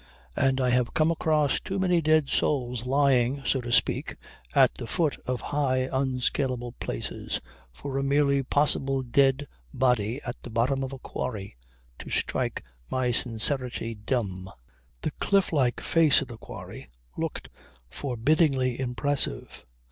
And I have come across too many dead souls lying so to speak at the foot of high unscaleable places for a merely possible dead body at the bottom of a quarry to strike my sincerity dumb. The cliff like face of the quarry looked forbiddingly impressive.